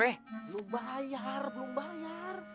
belum bayar belum bayar